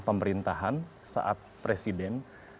pemerintahan saat presiden